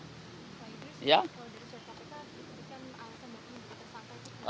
kalau diusir kpk itu kan alasan mungkin dikesankan juga